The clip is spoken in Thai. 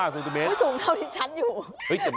สูงเท่าที่ฉันอยู่